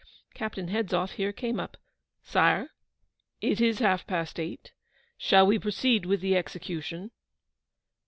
Captain Hedzoff here came up. 'Sire, it is half past eight: shall we proceed with the execution?